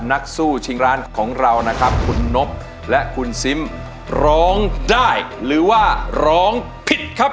นักสู้ชิงร้านของเรานะครับคุณนบและคุณซิมร้องได้หรือว่าร้องผิดครับ